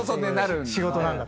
仕事なんだと。